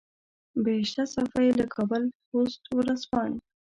بهشته صافۍ له کابل پوسټ ورځپاڼې.